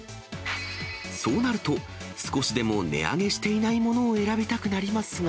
そうなると、少しでも値上げしていないものを選びたくなりますが。